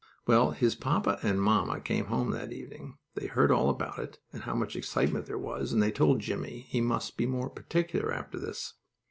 Well, when his papa and mamma came home that evening, they heard all about it, and how much excitement there was, and they told Jimmie he must be more particular after this.